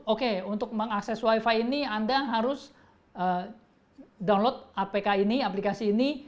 oke untuk mengakses wifi ini anda harus download apk ini aplikasi ini